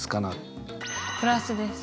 プラスです。